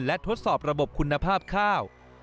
และทดสอบระบบคุณภาพข้าว